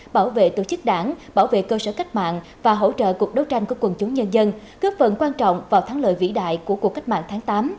bảo vệ tổ chức đảng bảo vệ cơ sở cách mạng và hỗ trợ cuộc đấu tranh của quần chúng nhân dân góp phần quan trọng vào thắng lợi vĩ đại của cuộc cách mạng tháng tám